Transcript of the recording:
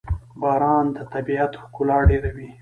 باران د طبیعت ښکلا ډېروي.